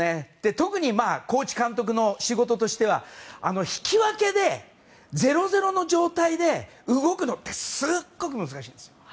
特にコーチ、監督の仕事としては引き分けで０−０の状態で動くのってすごく難しいんです。